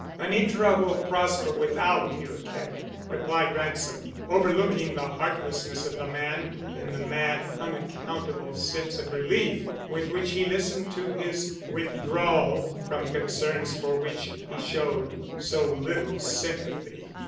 "Anitra will prosper without your care," replied Ransom, overlooking the heartlessness of the man in the mad, unaccountable sense of relief with which he listened to his withdrawal from concerns for which he showed so little sympathy.